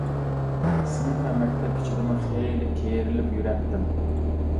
سىنىپ ۋە مەكتەپ ئىچىدىمۇ خېلى كېرىلىپ يۈرەتتىم.